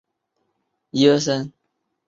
他在苏格兰阿伯丁大学读书。